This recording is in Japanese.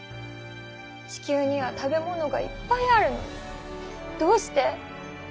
地球には食べ物がいっぱいあるのにどうして？